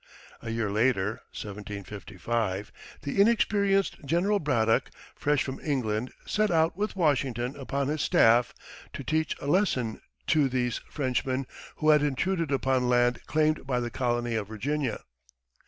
A year later (1755) the inexperienced General Braddock, fresh from England, set out, with Washington upon his staff, to teach a lesson to these Frenchmen who had intruded upon land claimed by the colony of Virginia.